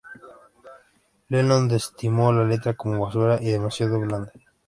Lennon desestimó la letra como "basura" y "demasiado blanda".